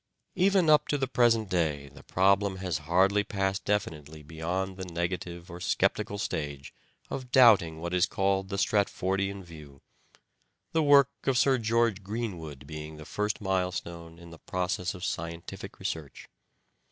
Even up to the present day the problem has hardly passed definitely beyond the negative or sceptical stage of doubting what is called the Stratfordian view, the work of Sir George Greenwood being the first milestone in the process of scientific research.